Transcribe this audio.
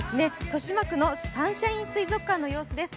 豊島区のサンシャイン水族館の様子です。